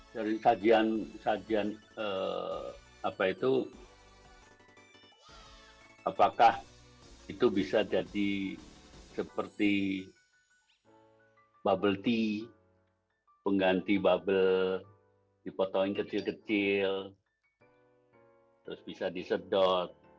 dari sajian apa itu apakah itu bisa jadi seperti bubble tea pengganti bubble dipotong kecil kecil terus bisa disedot